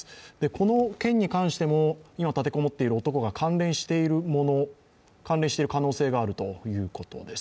この件に関しても今、立て籠もっている男が関連しているもの、関連している可能性があるということです。